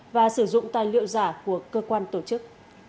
và sử dụng tài liệu giả của cơ quan tổ chức